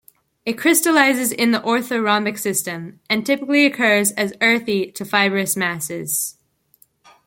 It crystallizes in the orthorhombic system and typically occurs as earthy to fibrous masses.